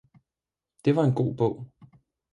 det var en god bog.